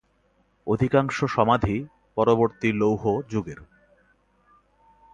অধিকাংশ সমাধি পরবর্তী লৌহ যুগের।